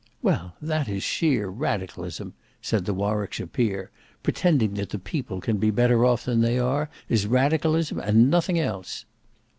"Well, that is sheer radicalism," said the Warwickshire peer, "pretending that the People can be better off than they are, is radicalism and nothing else."